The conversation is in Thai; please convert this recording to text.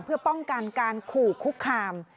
เพื่อป้องกันการขู่คุกคาม